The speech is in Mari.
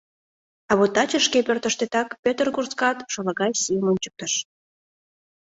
А вот таче шке пӧртыштетак Пӧтыр курскат шолагай сийым ончыктыш.